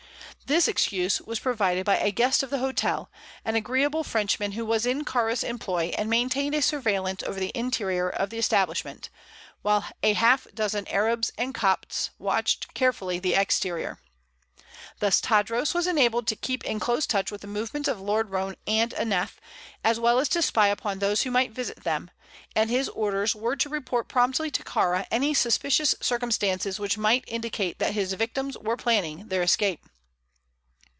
This excuse was provided by a guest of the hotel, an agreeable Frenchman who was in Kāra's employ and maintained a surveillance over the interior of the establishment, while a half dozen Arabs and Copts watched carefully the exterior. Thus Tadros was enabled to keep in close touch with the movements of Lord Roane and Aneth, as well as to spy upon those who might visit them, and his orders were to report promptly to Kāra any suspicious circumstances which might indicate that his victims were planning their escape.